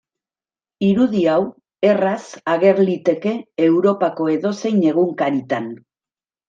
Irudi hau erraz ager liteke Europako edozein egunkaritan.